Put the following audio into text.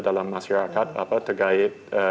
dalam masyarakat terkait